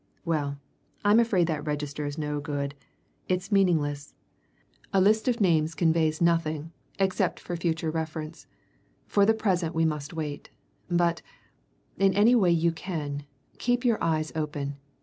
Well, I'm afraid that register is no good. It's meaningless. A list of names conveys nothing except for future reference. For the present we must wait. But in any way you can keep your eyes open.